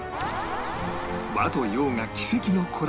和と洋が奇跡のコラボ！